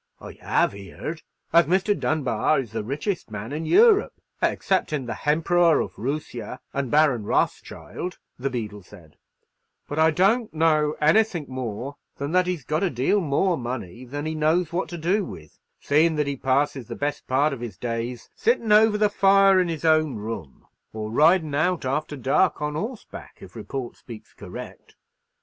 "I have heerd as Mr. Dunbar is the richest man in Europe, exceptin' the Hemperore of Roosia and Baron Rothschild," the beadle said; "but I don't know anythink more than that he's got a deal more money than he knows what to do with, seein' that he passes the best part of his days sittin' over the fire in his own room, or ridin' out after dark on horseback, if report speaks correct."